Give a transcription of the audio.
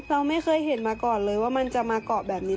เราไม่เคยเห็นมาก่อนเลยว่ามันจะมาเกาะแบบนี้